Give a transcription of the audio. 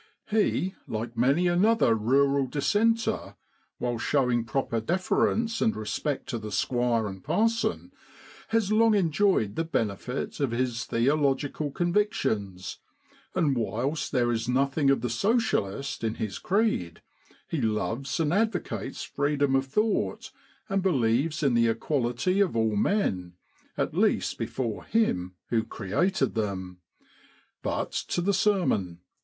He, like many another rural dissenter, whilst showing proper deference and respect to the squire and parson, has long enjoyed the benefit of his theological convic tions; and whilst there is nothing of the Socialist in his creed, he loves and advocates freedom of thought, and believes in the equality of all men, at least before Him who created them. But to the ' sermon.'